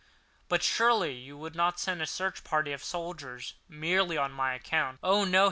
"But surely you would not send a search party of soldiers merely on this account?" "Oh, no!"